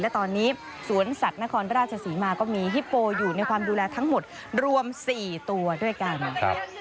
และตอนนี้สวนสัตว์นครราชศรีมาก็มีฮิปโปอยู่ในความดูแลทั้งหมดรวม๔ตัวด้วยกัน